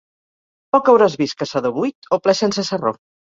Poc hauràs vist caçador buit o ple sense sarró.